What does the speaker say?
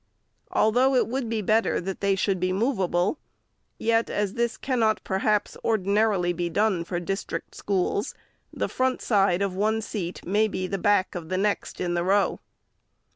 Although it would be better that they should be movable, yet as this cannot, perhaps, ordinarily be done for district schools, the front side of one seat may be the back of the next in the row.